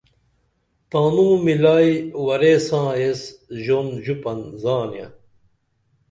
تانوں ملائی ورے ساں ایس ژوند ژُپن زانیہ